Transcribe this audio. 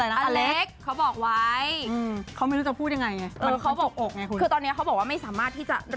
ตามนั้นแหละคุณผู้ชมก็ตามที่เตอร์